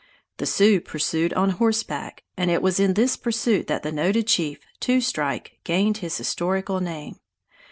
The Sioux pursued on horseback; and it was in this pursuit that the noted chief Two Strike gained his historical name.